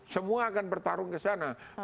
semua akan bertarung kesana